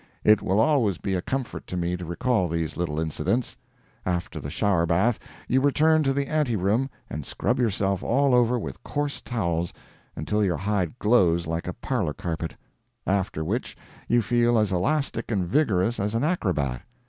It will always be a comfort to me to recall these little incidents. After the shower bath, you return to the ante room and scrub yourself all over with coarse towels until your hide glows like a parlor carpet—after which, you feel as elastic and vigorous as an acrobat.